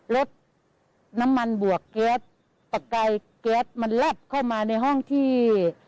รถน้ำมันบวกแก๊สตะเกาแก๊สมันแลบเข้ามาในห้องที่